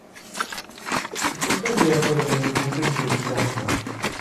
Su puerta es de arco de medio punto sobre pilastras.